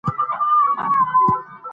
کیهان کونه غواړې.فرحان یی نه ورکوې